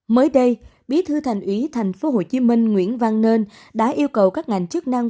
mới đây bí thư thành ủy tp hcm nguyễn văn nên đã yêu cầu các ngành chức năng